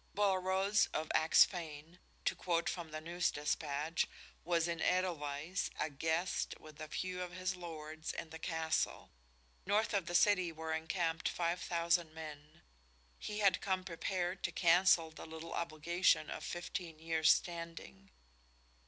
Bolaroz of Axphain, to quote from the news despatch, was in Edelweiss, a guest, with a few of his lords, in the castle. North of the city were encamped five thousand men. He had come prepared to cancel the little obligation of fifteen years standing.